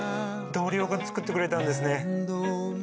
同僚が作ってくれたんですね。